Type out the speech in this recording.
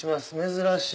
珍しい！